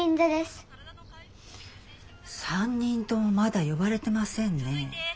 ３人ともまだ呼ばれてませんね。